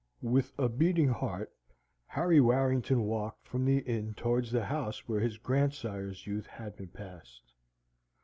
With a beating heart Harry Warrington walked from the inn towards the house where his grandsire's youth had been passed.